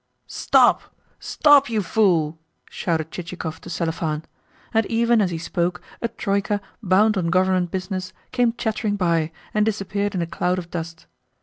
"Stop, stop, you fool!" shouted Chichikov to Selifan; and even as he spoke a troika, bound on Government business, came chattering by, and disappeared in a cloud of dust.